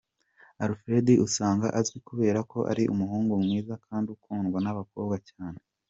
Alfred usanga azwi kubera ko ari umuhungu mwiza kandi ukundwa n’abakobwa cyane.